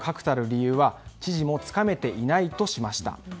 理由は知事もつかめていないとしました。